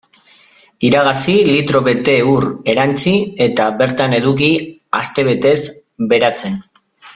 Iragazi, litro bete ur erantsi eta bertan eduki astebetez beratzen.